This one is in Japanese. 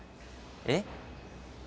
えっ？